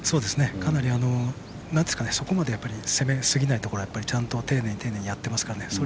かなりそこまで攻めすぎないところはちゃんと丁寧にやってますから。